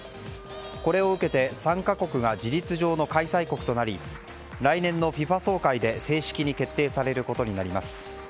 これを受けて、３か国が事実上の開催国となり来年のＦＩＦＡ総会で正式に決定されることになります。